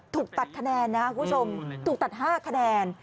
ถูกตัดคะแนนนะครับคุณผู้ชมถูกตัด๕คะแนน